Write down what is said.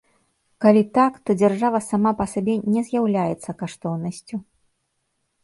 Калі так, то дзяржава сама па сабе не з'яўляецца каштоўнасцю.